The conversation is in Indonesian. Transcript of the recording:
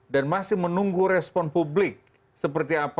dan masih menunggu respon publik seperti apa